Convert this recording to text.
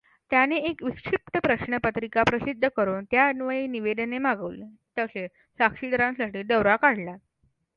त्याने एक विक्षिप्त प्रश्नपत्रिका प्रसिद्ध करून त्या अन्वये निवेदने मागवली, तसेच साक्षींसाठी दौरा काढला.